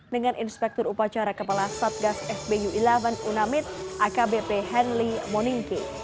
dengan inspektur upacara kepala satgas fpu sebelas unamid akbp henly moninke